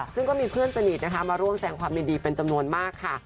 ซึ่งก็มีเพื่อนสนิทนะคะมาร่วมแสงความยินดีเป็นจำนวนมากค่ะ